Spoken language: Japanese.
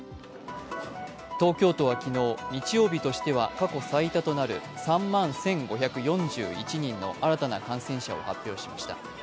東京都は昨日、日曜日としては過去最多となる３万１５４１人の新たな感染者を発表しました。